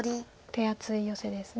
手厚いヨセです。